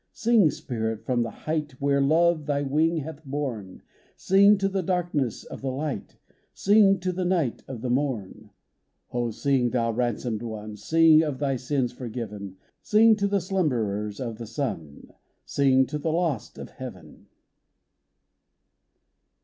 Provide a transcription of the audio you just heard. Sing, spirit, from the height Where Love thy wing hath borne : Sing to the darkness of the light ! Sing to the night of morn ! Oh, sing, thou ransomed one, Sing of thy sins forgiven ! Sing to the slumberers of the Sun ! Sing to the lost of Heaven